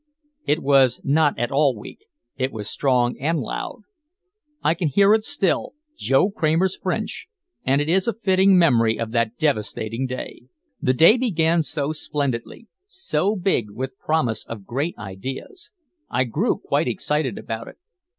It was not at all weak, it was strong and loud. I can hear it still, Joe Kramer's French, and it is a fitting memory of that devastating day. The day began so splendidly, so big with promise of great ideas. I grew quite excited about it.